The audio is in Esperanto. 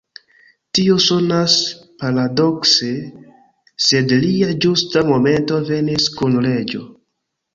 Tio sonas paradokse, sed lia ĝusta momento venis kun leĝo.